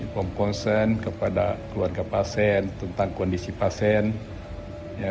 konsen kepada keluarga pasien tentang kondisi pasien